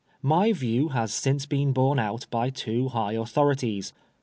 My view has since been borne out by two high authorities.